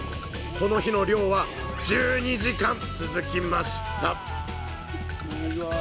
この日の漁は１２時間続きましたすごい。